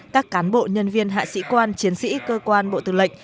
các cán bộ nhân viên hạ sĩ quan chiến sĩ cơ quan bộ tư lệnh